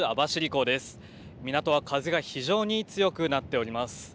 港は風が非常に強くなっております。